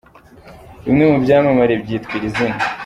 Bimwe mu byamamare byitwa iri zina.